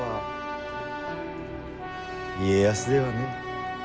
家康ではねえ。